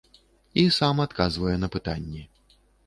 І сам адказвае на пытанні.